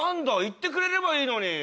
言ってくれればいいのに。